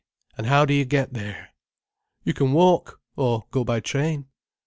"Really—and how do you get there?" "You can walk—or go by train."